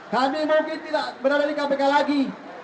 kami mungkin tidak berada di kpk lagi